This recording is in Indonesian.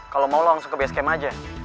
kalau mau langsung ke base camp aja